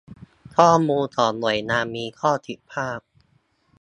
ข้อมูลของหน่วยงานมีข้อผิดพลาด